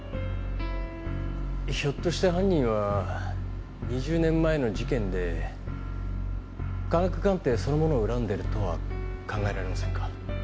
ひょっとして犯人は２０年前の事件で科学鑑定そのものを恨んでるとは考えられませんか？